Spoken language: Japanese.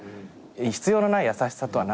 必要のない優しさとは何だ？